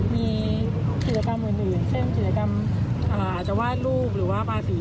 มีกิจกรรมอื่นเช่นกิจกรรมอาจจะวาดรูปหรือว่าภาษี